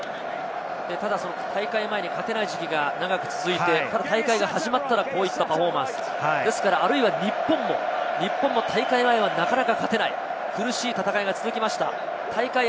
ただ大会前に勝てない時期が長く続いて、大会が始まったら、こういったパフォーマンス、あるいは日本も大会前はなかなか勝てない、苦しい戦いが続きました。